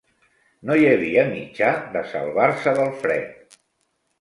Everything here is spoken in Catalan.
No hi havia mitjà de salvar-se del fred.